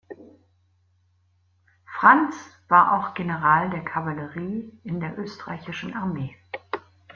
Franz war auch General der Kavallerie in der österreichischen Armee.